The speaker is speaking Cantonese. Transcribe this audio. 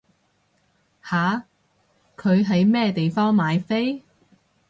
吓？佢喺咩地方買飛？